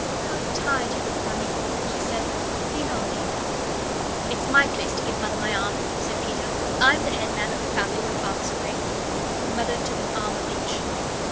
"How tired you look, Mammy," she said; "lean on me." "It's my place to give Mother my arm," said Peter. "I'm the head man of the family when Father's away." Mother took an arm of each.